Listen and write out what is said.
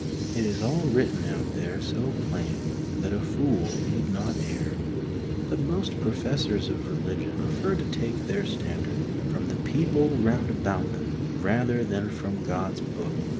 It is all written out there so plain that a fool need not err ; but most professors of religion prefer to take their standard, from the people round about them rather than from God's Book.